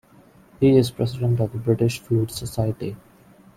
He is President of the British Flute Society.